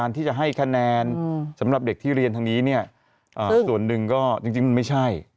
ที่จะให้คะแนนสำหรับเด็กที่เรียนทางนี้เนี่ยส่วนหนึ่งก็จริงมันไม่ใช่